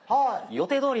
予定どおり？